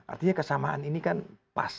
artinya kesamaan ini kan pas